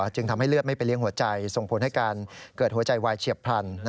จึงทำให้เลือดไม่ไปเลี้ยงหัวใจส่งผลให้การเกิดหัวใจวายเฉียบพลัน